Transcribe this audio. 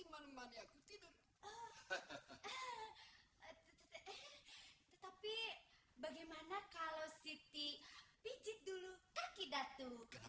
kalo anderes satu satunya bearil tidak bisa kena